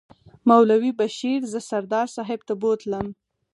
مولوي بشیر زه سردار صاحب ته بوتلم.